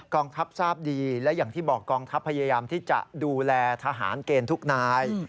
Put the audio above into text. ทัพทราบดีและอย่างที่บอกกองทัพพยายามที่จะดูแลทหารเกณฑ์ทุกนาย